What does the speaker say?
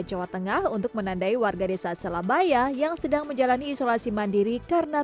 jawa tengah untuk menandai warga desa selabaya yang sedang menjalani isolasi mandiri karena